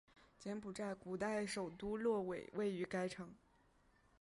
柬埔寨古代首都洛韦位于该城。